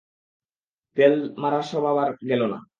তোর তেল মারার স্বভাব আর গেল না!